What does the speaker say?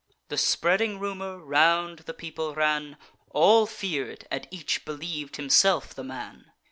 The spreading rumour round the people ran; All fear'd, and each believ'd himself the man.